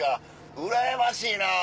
うらやましいな」。